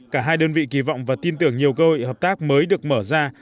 cả hai đơn vị kỳ vọng và tin tưởng nhiều cơ hội hợp tác mới được mở ra